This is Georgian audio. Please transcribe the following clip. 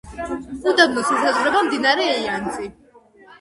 უდაბნოს ესაზღვრება მდინარე იანძი.